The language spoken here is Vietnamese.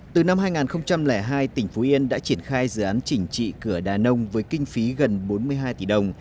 từ năm hai nghìn hai tỉnh phú yên đã triển khai dự án chỉnh trị cửa đà nông với kinh phí gần bốn mươi hai tỷ đồng